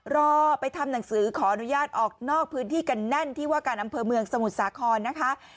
รอไปทำหนังสือขออนุญาตออกนอกพื้นที่กันแน่นที่ว่าการอำเภอเมืองสมุทรสาครนะคะ